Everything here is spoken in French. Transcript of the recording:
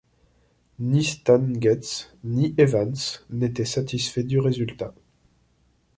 Ni Stan Getz, ni Evans n'étaient satisfaits du résultat.